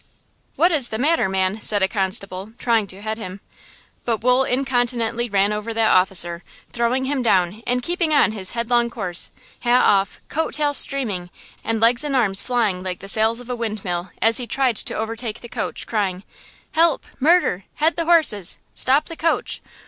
"What is the matter, man?" said a constable, trying to head him. But Wool incontinently ran over that officer, throwing him down and keeping on his headlong course, hat off, coat tail streaming and legs and arms flying like the sails of a windmill, as he tried to overtake the coach, crying: "Help! murder! head the horses! Stop the coach!